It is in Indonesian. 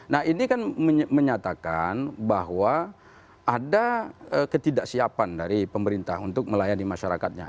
nah ini kan menyatakan bahwa ada ketidaksiapan dari pemerintah untuk melayani masyarakatnya